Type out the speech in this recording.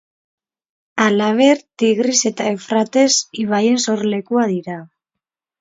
Halaber, Tigris eta Eufrates ibaien sorlekua dira.